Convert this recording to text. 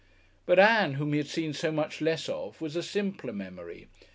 But Ann, whom he had seen so much less of, was a simpler memory.